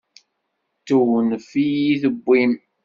D tewnef i yi-yewwin.